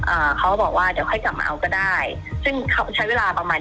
อ่าเขาก็บอกว่าเดี๋ยวค่อยกลับมาเอาก็ได้ซึ่งเขาใช้เวลาประมาณ